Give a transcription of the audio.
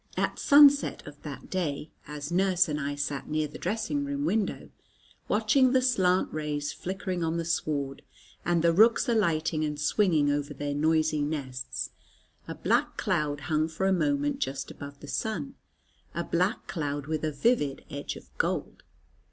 At sunset of that day, as nurse and I sat near the dressing room window, watching the slant rays flickering on the sward, and the rooks alighting and swinging over their noisy nests, a black cloud hung for a moment just above the sun, a black cloud with a vivid edge of gold.